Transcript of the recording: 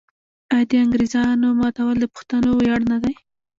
آیا د انګریزامو ماتول د پښتنو ویاړ نه دی؟